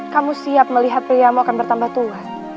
kamu siap melihat priamu akan bertambah tuhan